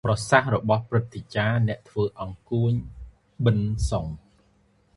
ប្រសាសន៍របស់ព្រឹទ្ធាចារ្យអ្នកធ្វើអង្កួច ប៊ិន សុង